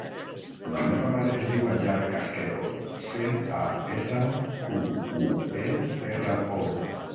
La meva mare es diu Hajar Casquero: ce, a, essa, cu, u, e, erra, o.